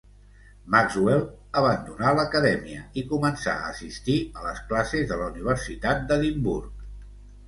Maxwell abandonà l'Acadèmia i començà a assistir a les classes de la Universitat d'Edimburg.